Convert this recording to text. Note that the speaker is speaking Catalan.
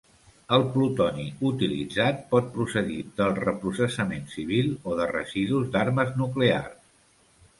El plutoni utilitzat pot procedir del reprocessament civil o de residus d'armes nuclears.